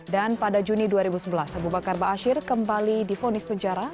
dan pada juni dua ribu sebelas abu bakar ba'asyir kembali difonis penjara